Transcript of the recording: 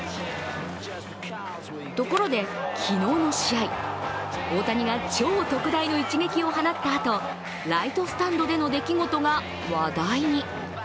ところで、昨日の試合、大谷が超特大の一撃を放ったあとライトスタンドでの出来事が話題に。